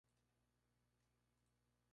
Mediante los grafitis, Bushido conoció el rap.